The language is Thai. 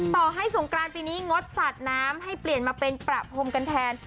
ต่อให้สงกรานปีนี้งดสาดน้ำให้เปลี่ยนมาเป็นประพรมกันแทน